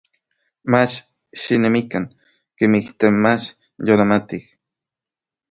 Mach xinemikan kemij tlen mach yolamatij.